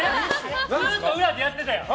ずっと裏でやってたやん。